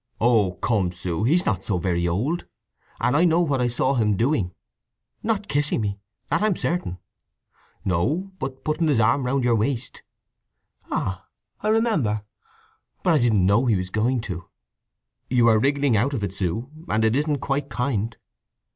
"Oh, come, Sue; he's not so very old. And I know what I saw him doing—" "Not kissing me—that I'm certain!" "No. But putting his arm round your waist." "Ah—I remember. But I didn't know he was going to." "You are wriggling out if it, Sue, and it isn't quite kind!"